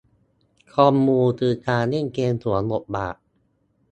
คอมมูคือการเล่นเกมสวมบทบาท